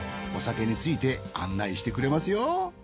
お酒について案内してくれますよ。